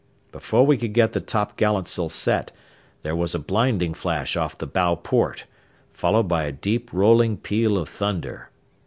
Before we could get the topgallantsail set there was a blinding flash off the bow port, followed by a deep rolling peal of thunder.